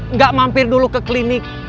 nggak mampir dulu ke klinik